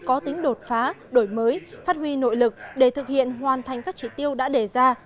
có tính đột phá đổi mới phát huy nội lực để thực hiện hoàn thành các trị tiêu đã đề ra